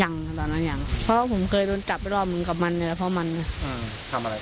ยังตอนนั้นยังเพราะผมเคยโดนจับไปรอบนึงกับมันเนี่ยเพราะมันเนี่ย